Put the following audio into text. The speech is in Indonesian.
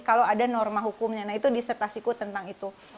kalau ada norma hukumnya nah itu disertasiku tentang itu